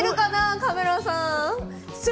カメラさん。